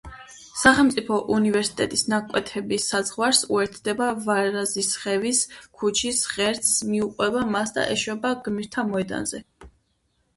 სახელმწიფო უნივერსიტეტის ნაკვეთების საზღვარს, უერთდება ვარაზისხევის ქუჩის ღერძს, მიუყვება მას და ეშვება გმირთა მოედანზე.